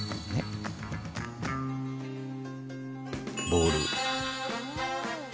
ボール。